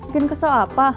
bikin kesel apa